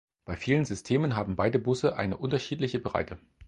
Bei vielen Systemen haben beide Busse eine unterschiedliche Breite.